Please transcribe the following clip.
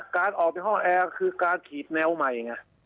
การออกในห้องแอร์คือการฉีดแนวใหม่ไง